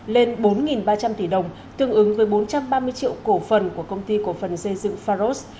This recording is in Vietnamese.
lên bốn ba trăm linh tỷ đồng tương ứng với bốn trăm ba mươi triệu cổ phần của công ty cổ phần xây dựng pharos